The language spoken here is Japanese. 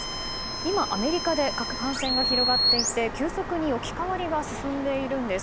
今、アメリカで感染が広がっていて急速に置き換わりが進んでいるんです。